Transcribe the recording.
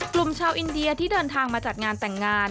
กลุ่มชาวอินเดียที่เดินทางมาจัดงานแต่งงาน